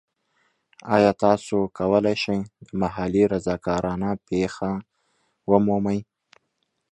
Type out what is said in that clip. ایا تاسو کولی شئ د محلي رضاکارانه پیښه ومومئ؟